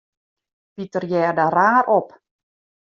Piter hearde raar op.